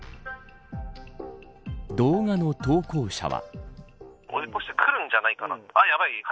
動画の投稿者は。